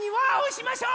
しましょう！